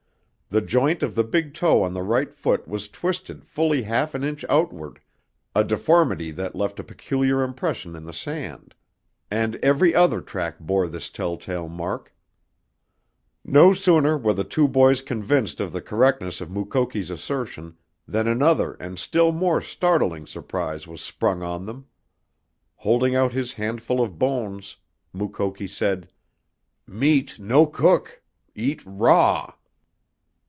The joint of the big toe on the right foot was twisted fully half an inch outward, a deformity that left a peculiar impression in the sand, and every other track bore this telltale mark. No sooner were the two boys convinced of the correctness of Mukoki's assertion than another and still more startling surprise was sprung on them. Holding out his handful of bones, Mukoki said: "Meat no cook eat raw!"